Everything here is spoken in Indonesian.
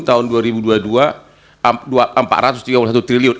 tahun dua ribu dua puluh dua empat ratus tiga puluh satu triliun